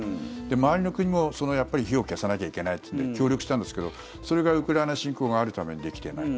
周りの国もやっぱり火を消さなきゃいけないってので協力したんですけど、それがウクライナ侵攻があるためにできていない。